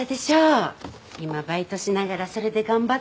今バイトしながらそれで頑張ってるんだって。